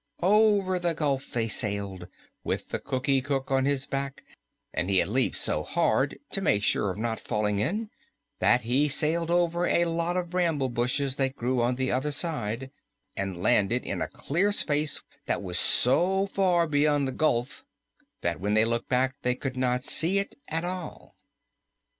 Over the gulf they sailed, with the Cookie Cook on his back, and he had leaped so hard to make sure of not falling in that he sailed over a lot of bramble bushes that grew on the other side and landed in a clear space which was so far beyond the gulf that when they looked back they could not see it at all.